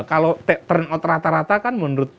kalau turnout rata rata kan menurut